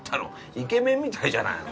イケメンみたいじゃないの。